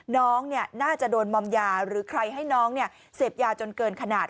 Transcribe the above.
น้องน่าจะโดนมอมยาหรือใครให้น้องเสพยาจนเกินขนาด